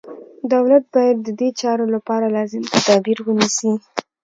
دولت باید ددې چارو لپاره لازم تدابیر ونیسي.